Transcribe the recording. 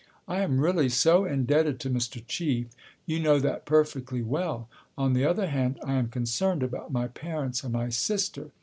I am really so indebted to Mr. Chief you know that perfectly well. On the other hand, I am concerned about my parents and my sister.